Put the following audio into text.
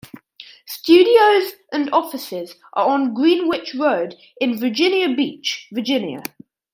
Studios and offices are on Greenwich Road in Virginia Beach, Virginia.